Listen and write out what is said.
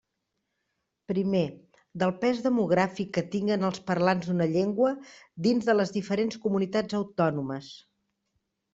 Primer, del pes demogràfic que tinguen els parlants d'una llengua dins de les diferents comunitats autònomes.